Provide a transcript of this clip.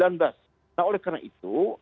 nah oleh karena itu